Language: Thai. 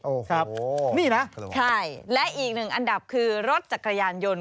โอ้โหนี่นะใช่และอีกหนึ่งอันดับคือรถจักรยานยนต์